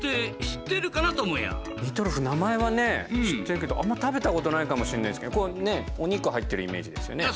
知ってるけどあんまり食べたことないかもしんないですけどお肉入ってるイメージですよね。